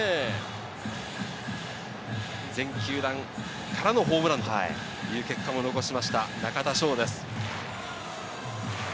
全球団からのホームランという結果も残しました、中田翔です。